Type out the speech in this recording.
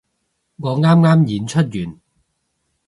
我啱啱演出完